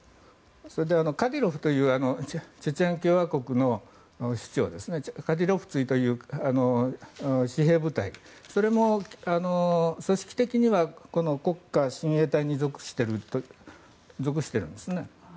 それで、カディロフというチェチェン共和国の首長ですねカディロフツィという私兵部隊それも組織的には国家親衛隊に属しているんですね。